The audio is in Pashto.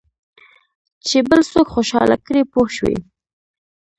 چې بل څوک خوشاله کړې پوه شوې!.